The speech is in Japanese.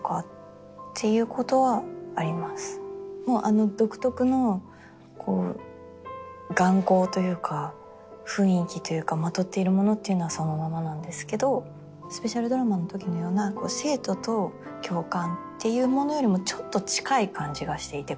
もうあの独特の眼光というか雰囲気というかまとっているものっていうのはそのままなんですけどスペシャルドラマのときのような生徒と教官っていうものよりもちょっと近い感じがしていて今回。